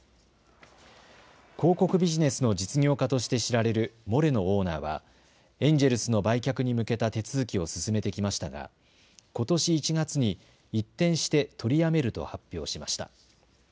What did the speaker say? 広告ビジネスの実業家として知られるモレノオーナーはエンジェルスの売却に向けた手続きを進めてきましたがことし１月に、一転して取りやめると発表しました。